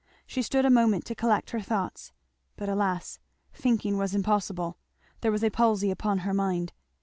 She stood a moment to collect her thoughts; but alas, thinking was impossible; there was a palsy upon her mind.